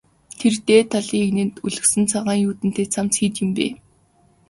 Тэр дээд талын эгнээнд өлгөсөн цагаан юүдэнтэй цамц хэд юм бэ?